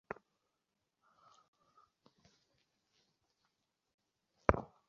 আজ পিতার কাছে গিয়া ইশা খাঁর নামে নালিশ করিলেন।